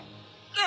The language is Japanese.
あ！